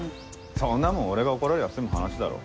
そんなもん俺が怒られりゃ済む話だろ。